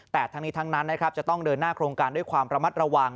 แต่ทั้งนี้ทั้งนั้นนะครับจะต้องเดินหน้าโครงการด้วยความระมัดระวัง